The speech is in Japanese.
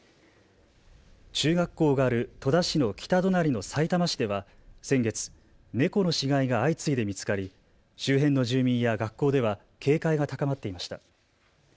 中学校がある戸田市の北隣のさいたま市では先月、猫の死骸が相次いで見つかり周辺の住民や学校では警戒が高まっていました。